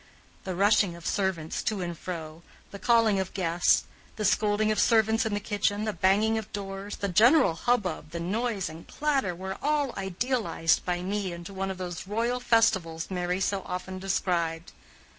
The rushing of servants to and fro, the calling of guests, the scolding of servants in the kitchen, the banging of doors, the general hubbub, the noise and clatter, were all idealized by me into one of those royal festivals Mary so often described.